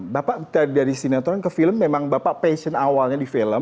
bapak dari sinetron ke film memang bapak passion awal ya